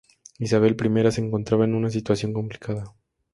Isabel I se encontraba en una situación complicada.